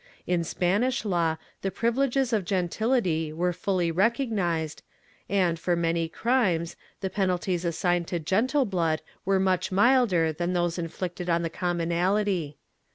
In Spanish law the privileges of gentility were fuUy recognized and, for many crimes, the penalties assigned to gentle blood were much milder than those inflicted on the com monalty.